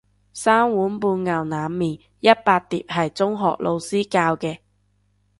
三碗半牛腩麵一百碟係中學老師教嘅